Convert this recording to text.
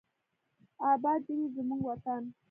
اباد دې وي زموږ وطن.